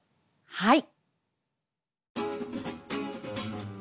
はい。